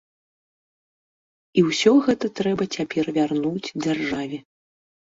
І ўсё гэта трэба цяпер вярнуць дзяржаве.